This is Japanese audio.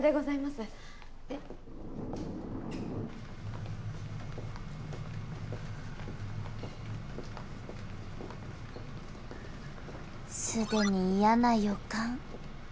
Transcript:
すでに嫌な予感